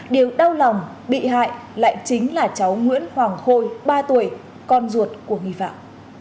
điều đau lòng bị hại lại chính là cháu nguyễn hoàng khôi ba tuổi con ruột của nghi phạm